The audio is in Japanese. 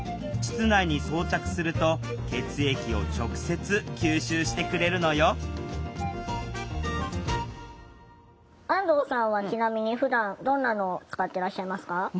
膣内に装着すると血液を直接吸収してくれるのよ安藤さんはちなみにふだんどんなのを使ってらっしゃいますか？